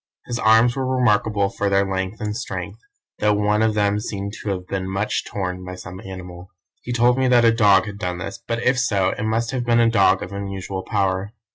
His arms were remarkable for their length and strength, though one of them seemed to have been much torn by some animal. He told me that a dog had done this, but if so it must have been a dog of unusual power.